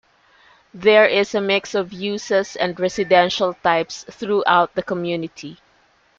There is a mix of uses and residential types throughout the community.